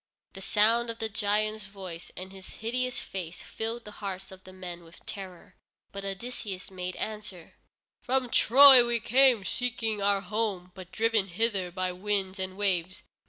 The sound of the giant's voice, and his hideous face filled the hearts of the men with terror, but Odysseus made answer: "From Troy we come, seeking our home, but driven hither by winds and waves.